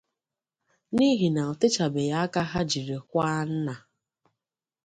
n'ihi na o techabeghị aka ha jiri kwaa nna